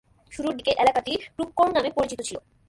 শুরুর দিকে এলাকাটি ক্রুকোর্ন নামে পরিচিত ছিল।